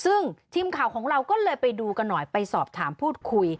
ซึ่งทีมข่าวของเราก็เลยไปดูกันหน่อยไปสอบถามพูดคุย